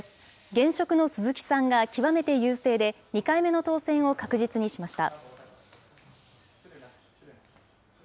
現職の鈴木さんが極めて優勢で、２回目の当選を確実にしました。